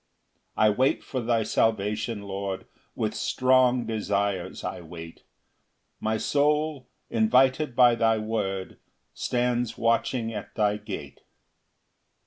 4 [I wait for thy salvation, Lord, With strong desires I wait; My soul, invited by thy word, Stands watching at thy gate.